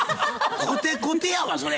コテコテやわそれ。